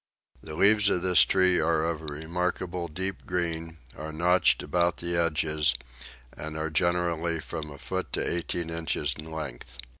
The leaves of this tree are of a remarkable deep green, are notched about the edges, and are generally from a foot to eighteen inches in length.